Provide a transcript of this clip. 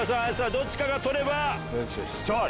どっちかが取れば勝利。